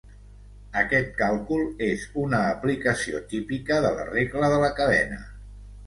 Aquest càlcul és una aplicació típica de la regla de la cadena.